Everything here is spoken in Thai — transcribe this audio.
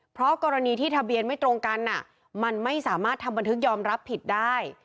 เพราะกรณีที่ทะเบียนไม่ตรงกันมันไม่สามารถทำบันทึกยอมรับผิดได้